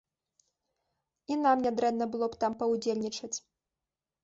І нам нядрэнна было б там паўдзельнічаць.